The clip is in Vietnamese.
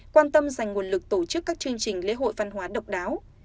quan tâm dành nguồn lực tổ chức các chương trình lễ hội văn hóa độc đáo